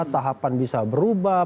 tahapan bisa berubah